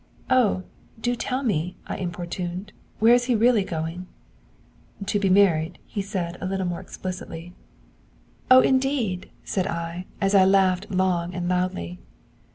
'"Oh, do tell me," I importuned. "Where is he really going?" '"To be married," he said, a little more explicitly. '"Oh, indeed!" said I, as I laughed long and loudly.